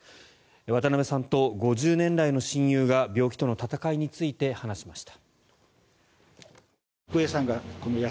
渡辺さんと５０年来の親友が病気との闘いについて話しました。